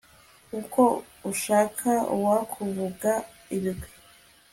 uko ushaka, uwakuvuga ibigwi